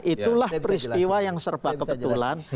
itulah peristiwa yang serba kebetulan